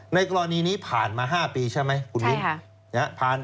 ในกรณีนี้ผ่านมา๕ปีใช่ไหมคุณมิ้น